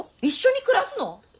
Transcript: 一緒に暮らすの？